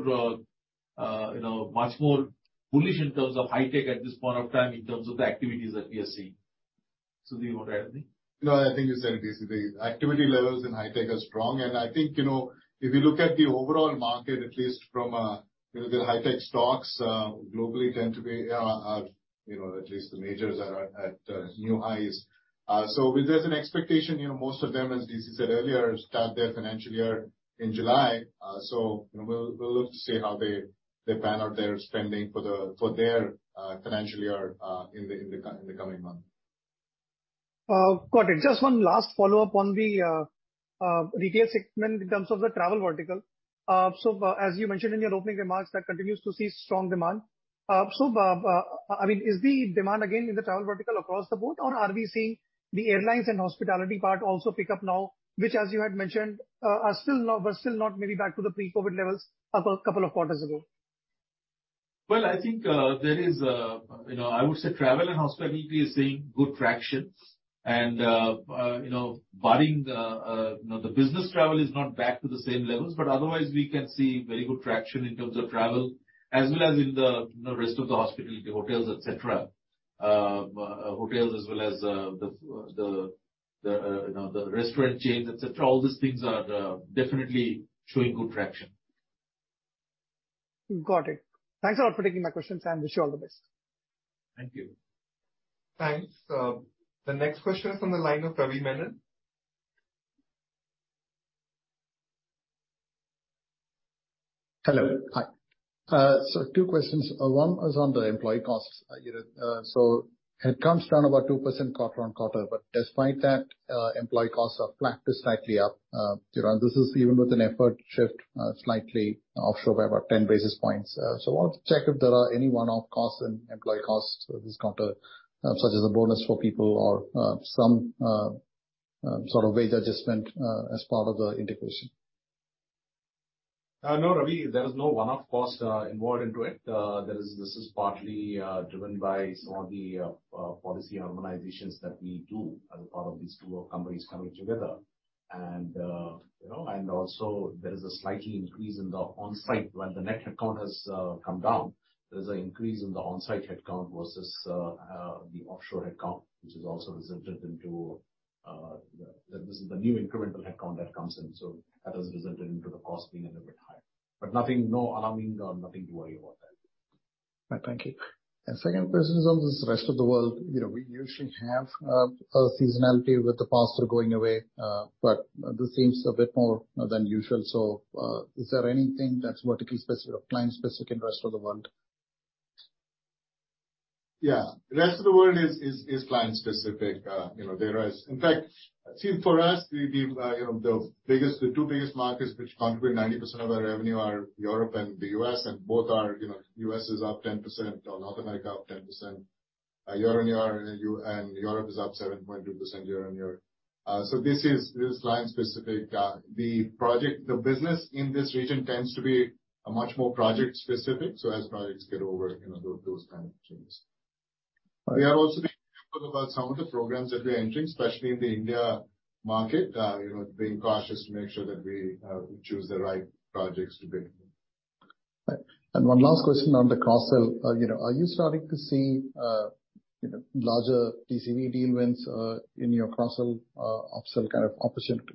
you know, much more bullish in terms of high tech at this point of time, in terms of the activities that we are seeing. Sudhir, you want to add anything? No, I think you said it, DC. The activity levels in high tech are strong, and I think, you know, if you look at the overall market, at least from, you know, the high tech stocks, globally tend to be, you know, at least the majors are at, new highs. There's an expectation, you know, most of them, as DC said earlier, start their financial year in July. You know, we'll look to see how they plan out their spending for the, for their, financial year, in the coming months. Got it. Just one last follow-up on the retail segment in terms of the travel vertical. As you mentioned in your opening remarks, that continues to see strong demand. I mean, is the demand again in the travel vertical across the board, or are we seeing the airlines and hospitality part also pick up now, which, as you had mentioned, are still not, but still not maybe back to the pre-COVID levels of a couple of quarters ago? Well, I think, there is, you know, I would say travel and hospitality is seeing good traction. You know, barring the, you know, the business travel is not back to the same levels, but otherwise we can see very good traction in terms of travel as well as in the, you know, rest of the hospitality, hotels, et cetera. Hotels as well as, the, the, you know, the restaurant chains, et cetera. All these things are definitely showing good traction. Got it. Thanks a lot for taking my questions, and wish you all the best. Thank you. Thanks. The next question is from the line of Ravi Menon. Hello. Hi. Two questions. One is on the employee costs. you know, it comes down about 2% quarter-on-quarter, but despite that, employee costs are flat to slightly up. you know, this is even with an effort to shift slightly offshore by about 10 basis points. I want to check if there are any one-off costs in employee costs for this quarter, such as a bonus for people or some sort of wage adjustment as part of the integration. No, Ravi, there is no one-off cost involved into it. This is partly driven by some of the policy harmonizations that we do as a part of these two companies coming together. You know, and also there is a slightly increase in the on-site. While the net headcount has come down, there's an increase in the on-site headcount versus the offshore headcount, which is also resulted into the, this is the new incremental headcount that comes in, so that is resulted into the cost being a little bit higher. Nothing, no alarming or nothing to worry about that. Right. Thank you. Second question is on this rest of the world. You know, we usually have a seasonality with the faster going away, but this seems a bit more than usual. Is there anything that's vertically specific or client-specific in rest of the world? Yeah. The rest of the world is client specific. you know, In fact, I think for us, we, you know, the biggest, the two biggest markets which contribute 90% of our revenue are Europe and the U.S., and both are, you know, U.S. is up 10% or North America up 10% year-on-year, and Europe is up 7.2% year-on-year. This is client specific. The business in this region tends to be a much more project specific, so as projects get over, you know, those kind of things. We are also being careful about some of the programs that we are entering, especially in the India market, you know, being cautious to make sure that we choose the right projects to bid. Right. One last question on the cross-sell. You know, are you starting to see, you know, larger TCV deal wins in your cross-sell, upsell kind of opportunity?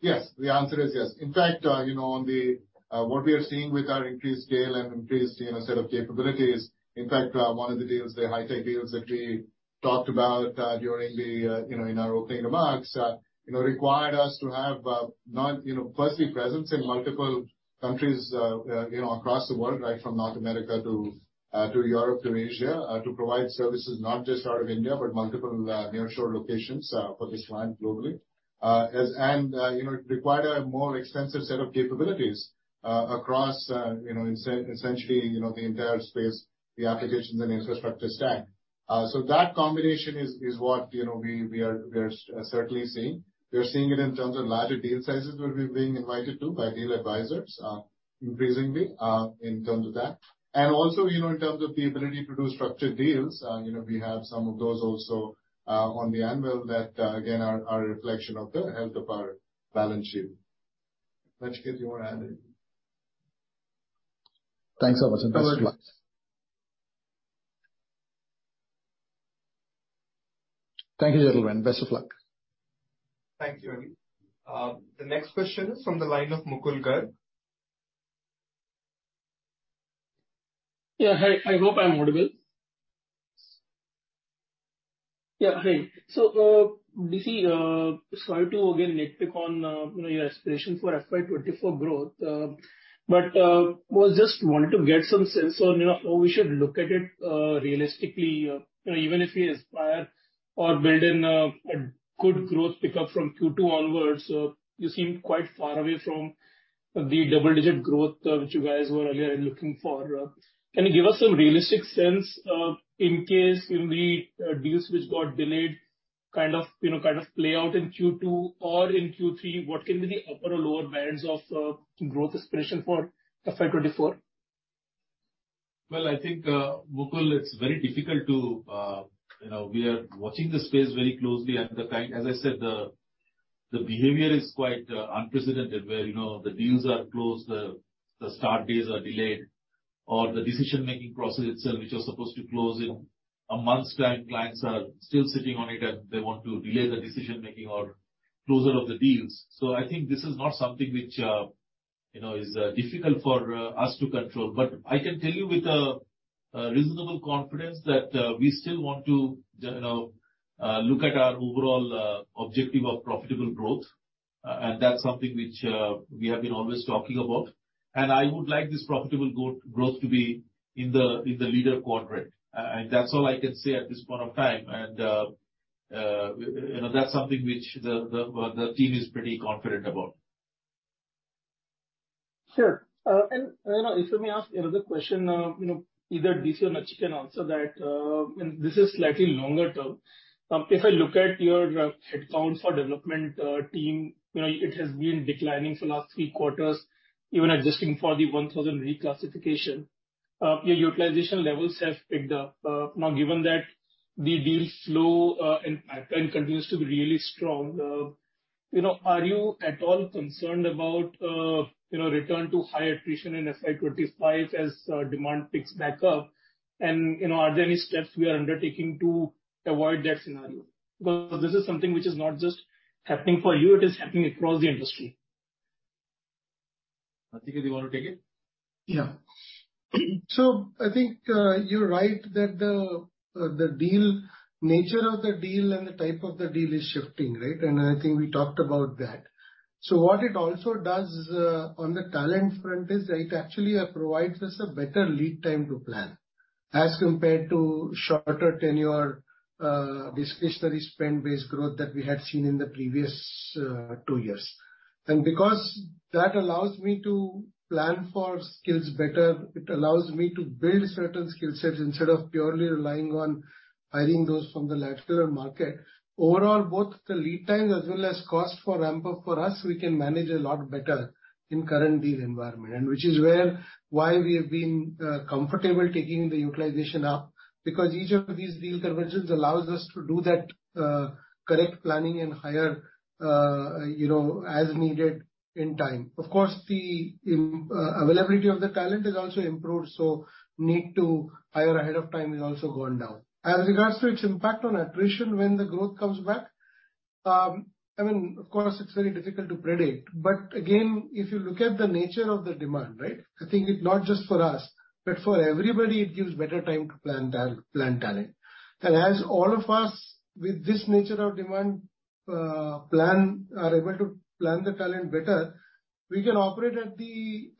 Yes, the answer is yes. In fact, you know, on the what we are seeing with our increased scale and increased, you know, set of capabilities, in fact, one of the deals, the high tech deals that we talked about during the you know, in our opening remarks, you know, required us to have not, you know, firstly, presence in multiple countries across the world, right from North America to Europe, to Asia, to provide services not just out of India, but multiple nearshore locations for this client globally. As and, you know, it required a more extensive set of capabilities across, you know, essentially, you know, the entire space, the applications and infrastructure stack. That combination is what, you know, we are certainly seeing. We are seeing it in terms of larger deal sizes, where we're being invited to by deal advisors, increasingly, in terms of that. Also, you know, in terms of the ability to do structured deals, you know, we have some of those also on the anvil that again, are a reflection of the health of our balance sheet. Ravi, you want to add anything? Thanks so much, and best of luck. Thank you, gentlemen. Best of luck. Thank you, Ravi. The next question is from the line of Mukul Garg. Hi. I hope I'm audible. Hi. DC, sorry to again nitpick on your aspiration for FY 2024 growth, was just wanted to get some sense on, you know, how we should look at it realistically. You know, even if we aspire or build in a good growth pickup from Q2 onwards, you seem quite far away from the double-digit growth which you guys were earlier looking for. Can you give us some realistic sense of in case when the deals which got delayed kind of play out in Q2 or in Q3, what can be the upper or lower variance of growth aspiration for FY 2024? Well, I think, Mukul, it's very difficult to... You know, we are watching the space very closely, and the fact, as I said, the behavior is quite unprecedented, where, you know, the deals are closed, the start dates are delayed, or the decision-making process itself, which are supposed to close in a month's time, clients are still sitting on it, and they want to delay the decision-making or closure of the deals. I think this is not something which, you know, is difficult for us to control. I can tell you with a reasonable confidence that we still want to, you know, look at our overall objective of profitable growth, and that's something which we have been always talking about. I would like this profitable growth to be in the, in the leader quadrant. That's all I can say at this point of time. You know, that's something which the, the team is pretty confident about. Sure. You know, if you may ask another question, you know, either DC or Nachi can answer that, and this is slightly longer term. If I look at your headcount for development team, you know, it has been declining for the last Q3s, even adjusting for the 1,000 reclassification. Your utilization levels have picked up. Now, given that the deal flow and pipeline continues to be really strong, you know, are you at all concerned about, you know, return to high attrition in FY 2025 as demand picks back up? You know, are there any steps we are undertaking to avoid that scenario? Because this is something which is not just happening for you, it is happening across the industry. Nachi, do you want to take it? Yeah. I think, you're right that the nature of the deal and the type of the deal is shifting, right? I think we talked about that. What it also does, on the talent front is it actually provides us a better lead time to plan as compared to shorter tenure, discretionary spend-based growth that we had seen in the previous, two years. Because that allows me to plan for skills better, it allows me to build certain skill sets instead of purely relying on hiring those from the lateral market. Overall, both the lead time as well as cost for ramp-up for us, we can manage a lot better in current deal environment, and which is where, why we have been comfortable taking the utilization up, because each of these deal conversions allows us to do that correct planning and hire, you know, as needed in time. Of course, the availability of the talent has also improved, so need to hire ahead of time has also gone down. As regards to its impact on attrition when the growth comes back, I mean, of course, it's very difficult to predict. If you look at the nature of the demand, right? I think it's not just for us, but for everybody, it gives better time to plan talent. As all of us, with this nature of demand, plan, are able to plan the talent better, we can operate at the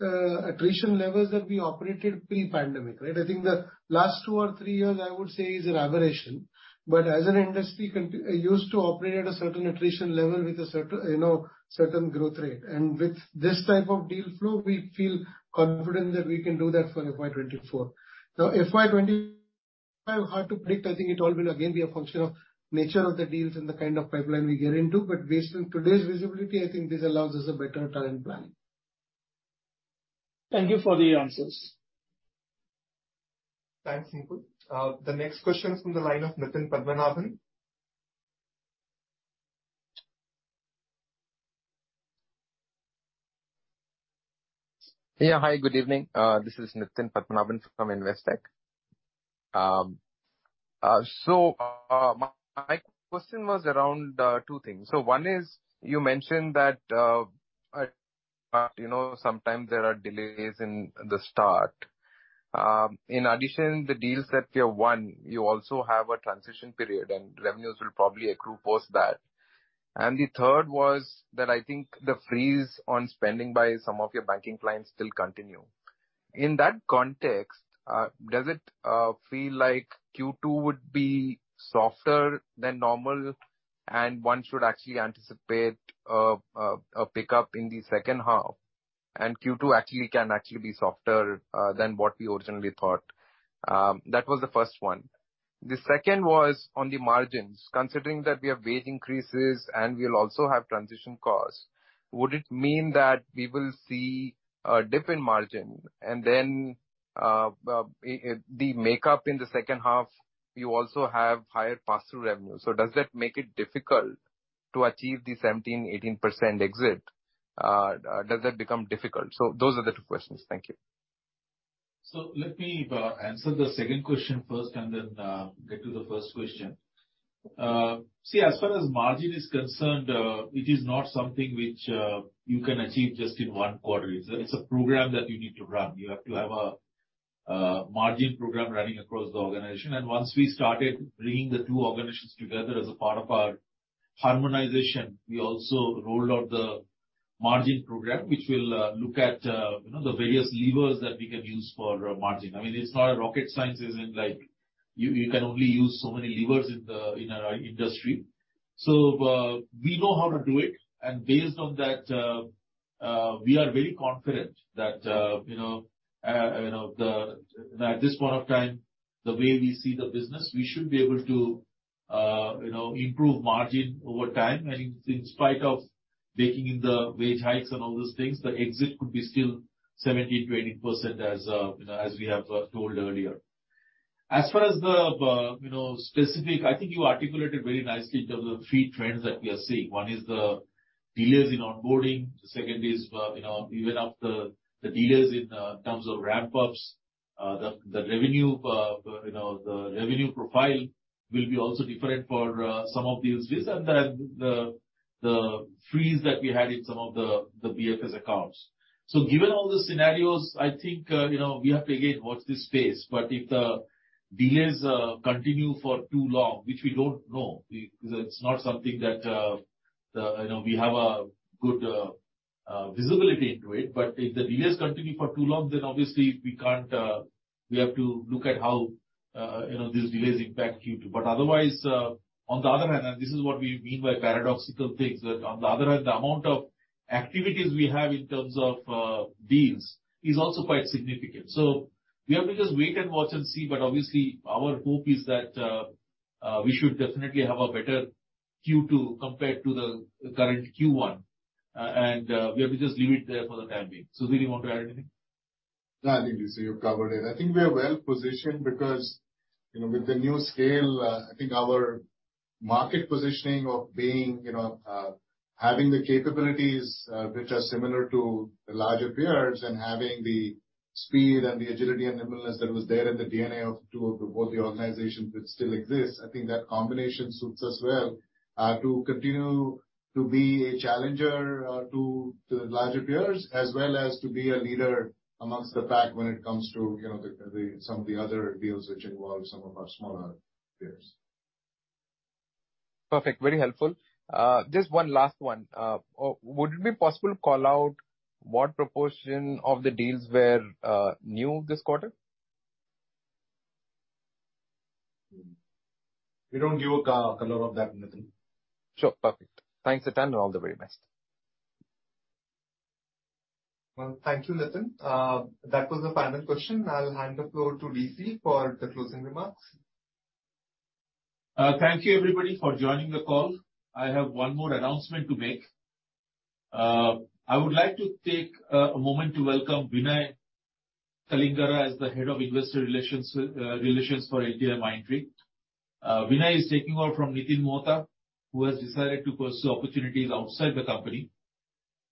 attrition levels that we operated pre-pandemic, right? I think the last two or three years, I would say, is an aberration. As an industry, used to operate at a certain attrition level with a certain, you know, certain growth rate. With this type of deal flow, we feel confident that we can do that for FY 2024. Now, FY 2025, hard to predict. I think it all will again be a function of nature of the deals and the kind of pipeline we get into. Based on today's visibility, I think this allows us a better talent planning. Thank you for the answers. Thanks, Mukul. The next question is from the line of Nitin Padmanabhan. Yeah, hi, good evening. This is Nitin Padmanabhan from Investec. My question was around two things. One is, you mentioned that, you know, sometimes there are delays in the start. In addition, the deals that you won, you also have a transition period, and revenues will probably accrue post that. The third was that I think the freeze on spending by some of your banking clients still continue. In that context, does it feel like Q2 would be softer than normal and one should actually anticipate a pickup in the H2, and Q2 actually can actually be softer than what we originally thought? That was the first one. The second was on the margins. Considering that we have wage increases and we'll also have transition costs, would it mean that we will see a dip in margin? The makeup in the H2, you also have higher pass-through revenue. Does that make it difficult to achieve the 17%-18% exit? Does that become difficult? Those are the two questions. Thank you. Let me answer the second question first, and then get to the first question. See, as far as margin is concerned, it is not something which you can achieve just in one quarter. It's a program that you need to run. You have to have a margin program running across the organization. Once we started bringing the two organizations together as a part of our harmonization, we also rolled out the margin program, which will look at, you know, the various levers that we can use for margin. I mean, it's not a rocket science, as in, like, you can only use so many levers in the, in our industry. We know how to do it, and based on that, we are very confident that, you know, you know, at this point of time, the way we see the business, we should be able to, you know, improve margin over time. In spite of baking in the wage hikes and all those things, the exit could be still 17%-18% as, you know, as we have told earlier. As far as the, you know, specific... I think you articulated very nicely in terms of the three trends that we are seeing. One is the delays in onboarding. The second is, you know, the delays in, terms of ramp-ups. The, the revenue, you know, the revenue profile will be also different for, some of these reasons. The freeze that we had in some of the BFS accounts. Given all the scenarios, I think, you know, we have to again watch this space. If the delays continue for too long, which we don't know, it's not something that, you know, we have a good visibility into it. If the delays continue for too long, then obviously we can't, we have to look at how, you know, these delays impact Q2. Otherwise, on the other hand, and this is what we mean by paradoxical things, that on the other hand, the amount of activities we have in terms of deals is also quite significant. We have to just wait and watch and see, but obviously, our hope is that we should definitely have a better Q2 compared to the current Q1. We have to just leave it there for the time being. Sudhir, you want to add anything? No, I think, you see, you covered it. I think we are well positioned because, you know, with the new scale, I think our market positioning of being, you know, having the capabilities, which are similar to the larger peers and having the speed and the agility and nimbleness that was there in the DNA of both the organizations, which still exists, I think that combination suits us well, to continue to be a challenger, to the larger peers, as well as to be a leader amongst the pack when it comes to, you know, some of the other deals which involve some of our smaller peers. Perfect. Very helpful. Just one last one. Would it be possible to call out what proportion of the deals were, new this quarter? We don't give a color of that, Nitin. Sure. Perfect. Thanks, Sudhir, all the very best. Well, thank you, Nitin. That was the final question. I'll hand the floor to DC for the closing remarks. Thank you, everybody, for joining the call. I have one more announcement to make. I would like to take a moment to welcome Vinay Kalingara as the Head of Investor Relations for LTIMindtree. Vinay is taking over from Nitin Mohta, who has decided to pursue opportunities outside the company.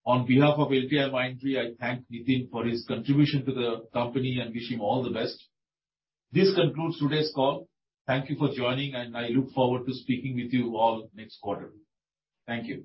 On behalf of LTIMindtree, I thank Nitin for his contribution to the company, and wish him all the best. This concludes today's call. Thank you for joining, and I look forward to speaking with you all next quarter. Thank you.